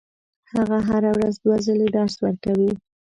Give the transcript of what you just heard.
هغه هره ورځ دوه ځلې درس ورکوي.